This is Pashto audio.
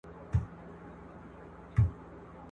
بېګا خوب کي راسره وې نن غزل درته لیکمه !.